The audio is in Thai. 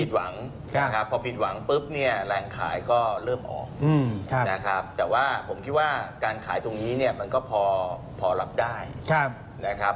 พอผิดหวังปุ๊บเนี่ยแรงขายก็เริ่มออกนะครับแต่ว่าผมคิดว่าการขายตรงนี้เนี่ยมันก็พอรับได้นะครับ